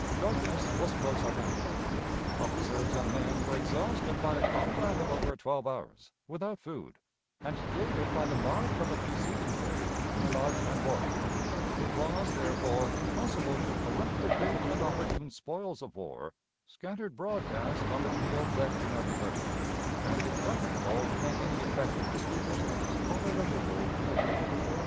Darkness was close at hand. Officers and men were exhausted by a combat of over twelve hours, without food, and jaded by the march of the preceding day through mud and water; it was, therefore, impossible to collect the rich and opportune spoils of war scattered broadcast on the field left in our possession, and impracticable to make any effective dispositions for their removal to the rear.